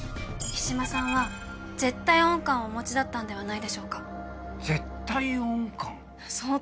木嶋さんは絶対音感をお持ちだったんではないでしょうか。絶対音感？